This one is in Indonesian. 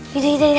gitu gitu gitu